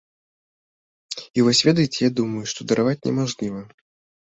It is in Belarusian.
І вось ведаеце, я думаю, што дараваць немажліва?